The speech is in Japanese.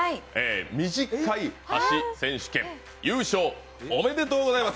短い箸選手権優勝おめでとうございます。